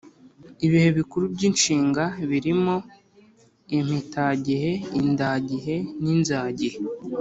Ibihe bikuru by’inshinga birimo impitagihe, indagihe n’inzagihe.